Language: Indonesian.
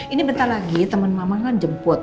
ini bentar lagi teman mama kan jemput